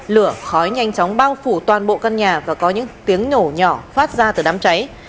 lửa khói nhanh chóng bao phủ toàn bộ căn nhà và có những tiếng nổ nhỏ phát ra từ đám cháy